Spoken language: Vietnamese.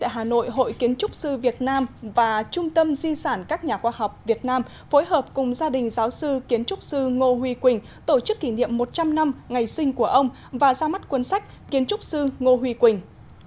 hà nội hội kiến trúc sư việt nam và trung tâm di sản các nhà khoa học việt nam phối hợp cùng gia đình giáo sư kiến trúc sư ngô huy quỳnh tổ chức kỷ niệm một trăm linh năm ngày sinh của ông và ra mắt cuốn sách kiến trúc sư ngô huy quỳnh